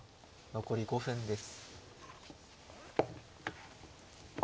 残り５分です。